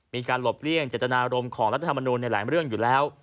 หลบเลี่ยงเจตนารมณ์ของรัฐธรรมนูลในหลายเรื่องอยู่แล้ว